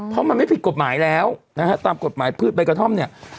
เพราะมันไม่ผิดกฎหมายแล้วนะฮะตามกฎหมายพืชใบกระท่อมเนี่ย